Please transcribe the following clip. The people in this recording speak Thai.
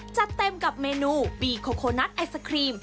จัดเต็มกับเมนูบีโคโคนัสไอศครีม